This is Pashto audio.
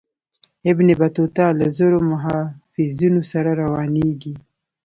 ابن بطوطه له زرو محافظینو سره روانیږي.